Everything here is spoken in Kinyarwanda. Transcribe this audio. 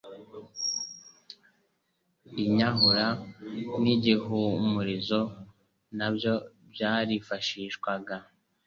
inyahura n'igihumurizo nabyo byarifashishwaga